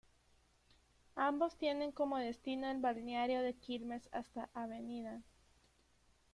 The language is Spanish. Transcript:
Ambos tienen como destino el Balneario de Quilmes, hasta Av.